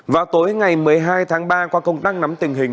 vào tối ngày một mươi hai tháng ba qua công đăng nắm tình hình